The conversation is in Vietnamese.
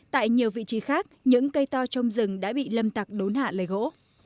tại nhiều vị trí khác những cây to trong rừng đã bị lâm tặc đốn hạ lấy gỗ